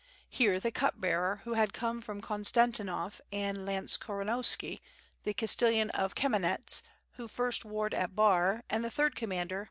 Here were the Cup bearer who had come from Konstantinov and Lants koronski the Castellan of Kamenets who first warred at Bar, and the third commander.